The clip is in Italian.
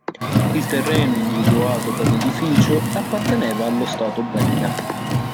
Il terreno individuato per l'edificio apparteneva allo stato belga.